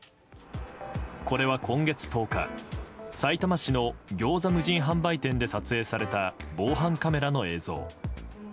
これは今月１０日さいたま市のギョーザ無人販売店で撮影された防犯カメラの映像。